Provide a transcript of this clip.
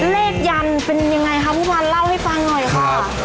เลขยันเป็นยังไงครับผู้พันธนิดเล่าให้ฟังหน่อยครับ